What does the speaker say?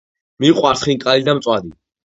მიყვარს ხინკალი და მწვადი